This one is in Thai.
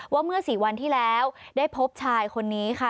ว่าเมื่อ๔วันที่แล้วได้พบชายคนนี้ค่ะ